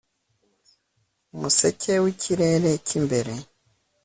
Umuseke wikirere cyimbere